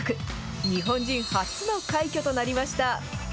日本人初の快挙となりました。